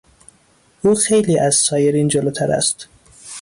او خیلی از سایرین جلوتر است.